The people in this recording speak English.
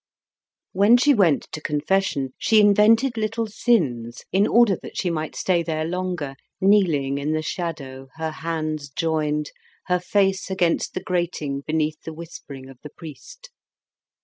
When she went to confession, she invented little sins in order that she might stay there longer, kneeling in the shadow, her hands joined, her face against the grating beneath the whispering of the priest.